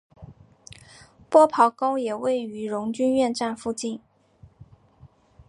波旁宫也位于荣军院站附近。